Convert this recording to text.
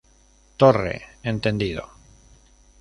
Torre: Entendido.